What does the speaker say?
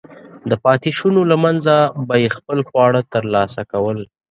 د پاتېشونو له منځه به یې خپل خواړه ترلاسه کول.